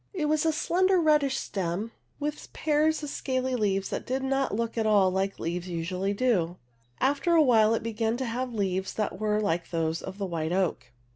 It was a slender, reddish stem, with pairs of scaly leaves that did not look at all as leaves usually do. After a while it began to have leaves that were like those of the white oak.